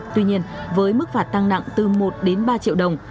tuy nhiên với mức phạt tăng nặng từ một đến ba triệu đồng